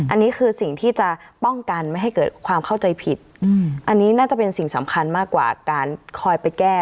อันนี้คือสิ่งที่จะป้องกันไม่ให้เกิดความเข้าใจผิดอันนี้น่าจะเป็นสิ่งสำคัญมากกว่าการคอยไปแก้